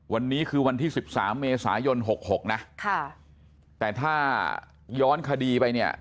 วันนี้คือวันที่สิบสามเมษายน๖๖นะค่ะแต่ถ้าย้อนคดีไปเนี่ย